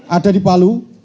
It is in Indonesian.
ada di palu